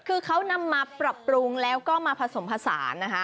คือเขานำมาปรับปรุงแล้วก็มาผสมผสานนะคะ